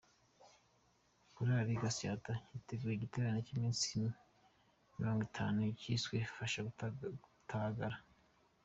Korari Gatsata yateguye igiterane cy’iminsi mirongo itanu cyiswe Fasha Gatagara